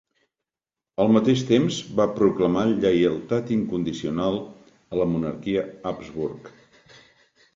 Al mateix temps, va proclamar lleialtat incondicional a la monarquia Habsburg.